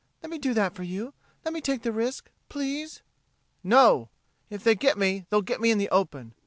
Let me do that for you let me take the risk. Please!" "No! If they get me, they'll get me in the open.